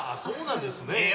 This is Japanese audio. そうなんですね。